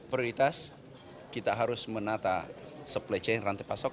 prioritas kita harus menata supply chain rantai pasok